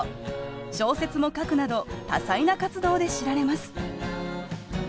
小説も書くなど多彩な活動で知られます。